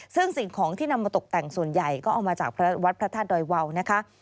ซึ่งสิ่งของที่นำมาตกแต่งส่วนใหญ่ก็เอามาจากวัดพระธาตุดอยวาวนะคะ